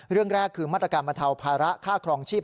เรื่องแรกคือมาตรการบรรเทาภาระค่าครองชีพ